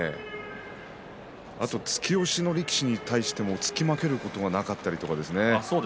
あと突き押しの力士に対しても突き負けることがなかったりとかですね。